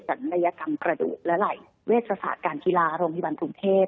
ในระยะกันประดูกและไหลเวชศาสตร์การธีราโรงพิบันธุ์ธรรมเทพ